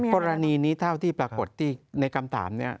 กรณีนี้เท่าที่ปรากฏที่ในคำถามนี้